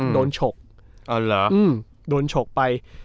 โดนฉกไป